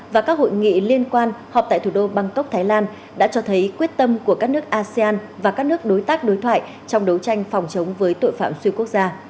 và các hội nghị liên quan họp tại thủ đô bangkok thái lan đã cho thấy quyết tâm của các nước asean và các nước đối tác đối thoại trong đấu tranh phòng chống với tội phạm xuyên quốc gia